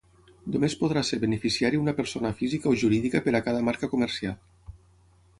Només podrà ser beneficiari una persona física o jurídica per a cada marca comercial.